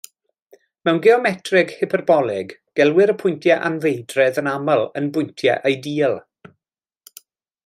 Mewn geometreg hyperbolig, gelwir y pwyntiau anfeidredd yn aml yn bwyntiau ideal.